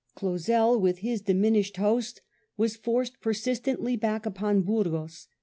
Clausel with his diminished host was forced persist ently back upon Burgos.